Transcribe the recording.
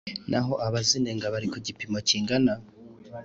Naho abazinenga bari ku gipimo kingana